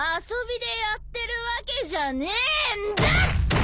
遊びでやってるわけじゃねえんだ！！